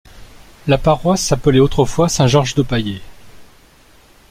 La paroisse s'appelait autrefois Saint-Georges-de-Paillé.